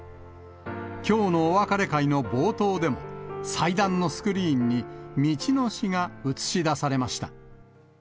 きょうのお別れ会の冒頭でも、祭壇のスクリーンに道の詩が映し出されました。